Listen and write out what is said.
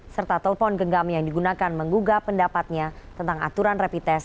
serta telpon genggam yang digunakan menggugah pendapatnya tentang aturan repites